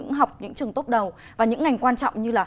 không đúng bức